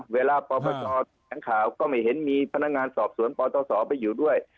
ปปชแถลงข่าวก็ไม่เห็นมีพนักงานสอบสวนปตศไปอยู่ด้วย